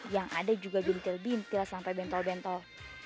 yang ada juga bintil bintil sampai bentol bentol